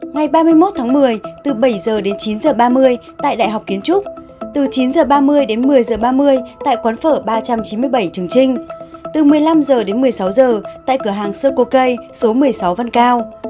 ngày ba mươi một tháng một mươi từ bảy h đến chín h ba mươi tại đại học kiến trúc từ chín h ba mươi đến một mươi h ba mươi tại quán phở ba trăm chín mươi bảy trường trinh từ một mươi năm h đến một mươi sáu h tại cửa hàng sơ cocay số một mươi sáu văn cao